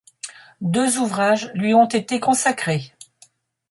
Deux ouvrages lui ont été consacrés.